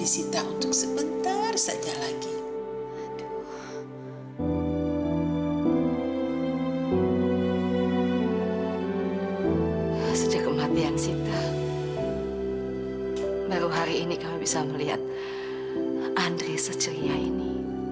sejak kematian sita baru hari ini kamu bisa melihat andri secerinya ini